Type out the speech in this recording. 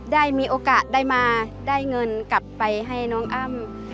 ได้มีโอกาสได้มาได้เงินกลับไปให้น้องอ้ำ